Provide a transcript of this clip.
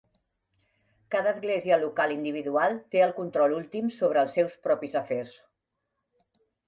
Cada església local individual té el control últim sobre els seus propis afers.